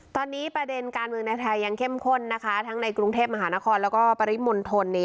ตอนนี้ประเด็นการเมืองในไทยยังเข้มข้นนะคะทั้งในกรุงเทพมหานครแล้วก็ปริมณฑล